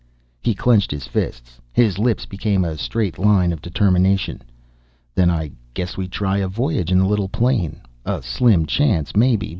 He clenched his fists; his lips became a straight line of determination. "Then I guess we try a voyage in the little plane. A slim chance, maybe.